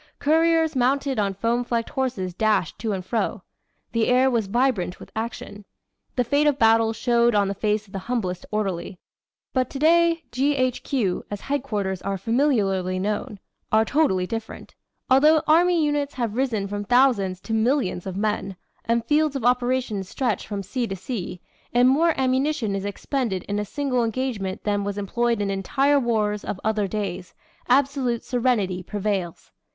Couriers mounted on foam flecked horses dashed to and fro. The air was vibrant with action; the fate of battle showed on the face of the humblest orderly. But today 'G. H. Q.' as headquarters are familiarly known are totally different. Although army units have risen from thousands to millions of men, and fields of operations stretch from sea to sea, and more ammunition is expended in a single engagement than was employed in entire wars of other days, absolute serenity prevails.